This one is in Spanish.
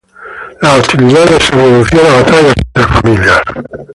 Las hostilidades se reducían a batallas entre familias.